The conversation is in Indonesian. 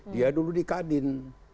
dia dulu di kadin